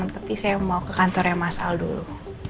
tapi saya mau ke kantor yang masal dulu